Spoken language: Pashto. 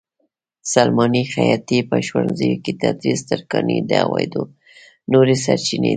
سلماني؛ خیاطي؛ په ښوونځیو کې تدریس؛ ترکاڼي د عوایدو نورې سرچینې دي.